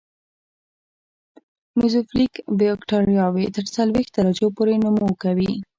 میزوفیلیک بکټریاوې تر څلوېښت درجو پورې نمو کوي.